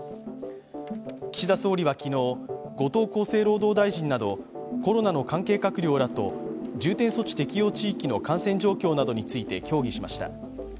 岸田総理は昨日後藤厚生労働大臣などコロナの関係閣僚らと重点措置適用地域の感染状況などについて協議しました。